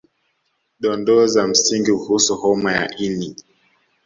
Dondoo za msingi kuhusu homa ya ini